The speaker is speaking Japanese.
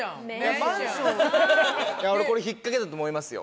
俺これ引っかけだと思いますよ。